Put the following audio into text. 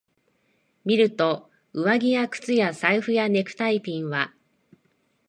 見ると、上着や靴や財布やネクタイピンは、